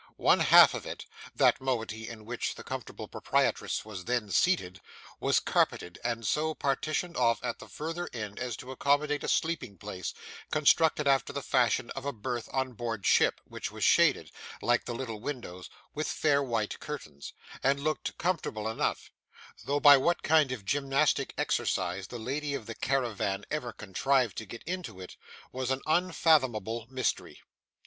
One half of it that moiety in which the comfortable proprietress was then seated was carpeted, and so partitioned off at the further end as to accommodate a sleeping place, constructed after the fashion of a berth on board ship, which was shaded, like the little windows, with fair white curtains, and looked comfortable enough, though by what kind of gymnastic exercise the lady of the caravan ever contrived to get into it, was an unfathomable mystery.